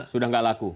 sudah gak laku